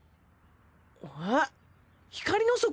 えっ？